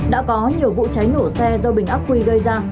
đã có nhiều vụ cháy nổ xe do bình ác quy gây ra